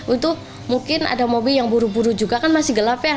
untuk mungkin ada mobil yang buru buru juga kan masih gelap ya